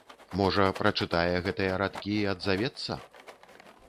Можа, прачытае гэтыя радкі і адзавецца?